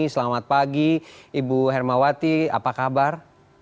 selamat pagi ibu hermawati apa kabar